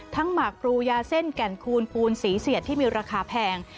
หมากพลูยาเส้นแก่นคูณปูนสีเสียดที่มีราคาแพง